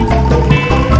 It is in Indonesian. yang dulu nyiksa kita